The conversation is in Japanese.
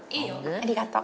ありがとう。